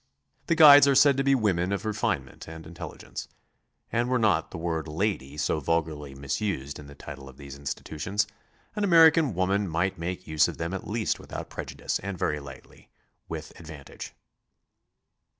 The guides are said to be women of refinement and intelligence, and were not the word "lady" so vulgarly misused in the title of these institutions, an Amer ican woman might make use of them at least without preju dice and very likely with advantage.